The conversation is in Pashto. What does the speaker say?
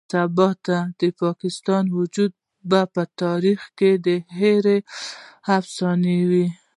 سباته د پاکستان وجود به د تاريخ هېره افسانه وي.